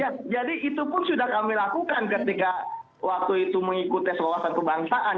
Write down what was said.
ya jadi itu pun sudah kami lakukan ketika waktu itu mengikuti tes wawasan kebangsaan